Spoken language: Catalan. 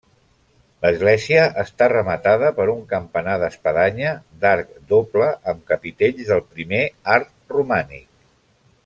L'església està rematada per un campanar d'espadanya d'arc doble amb capitells del primer art romànic.